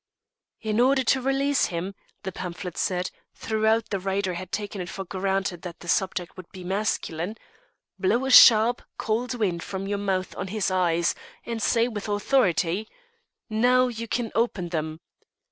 "In order to release him," the pamphlet said throughout the writer had taken it for granted that the "subject" would be masculine "blow a sharp, cold wind from your mouth on his eyes, and say with authority, 'Now you can open them.'